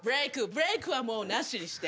ブレークはもうなしにして。